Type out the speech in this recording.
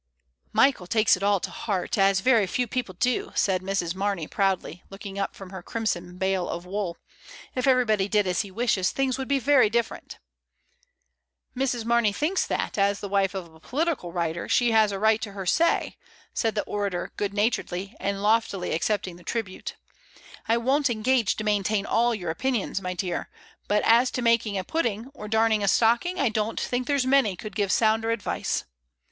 "Michael takes it all to heart, as very few people do," said Mrs. Marney proudly, looking up from her crimson bale of wool. "If everybody did as he wishes, things would be very different." "Mrs. Mamey thinks that, as the wife of a political writer, she has a right to her say," said the orator good naturedly, and loftily accepting the tribute. "I won't engage to maintain all your opinions, my dear; but as to making a pudding or darning a stocking, I don't think there's many could give sounder advice."